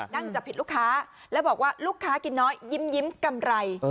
นั่งจับผิดลูกค้าแล้วบอกว่าลูกค้ากินน้อยยิ้มกำไร